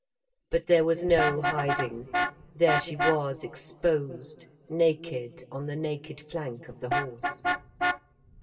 But there was no hiding. There she was exposed naked on the naked flank of the horse.